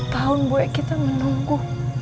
dua puluh satu tahun buwe kita menunggu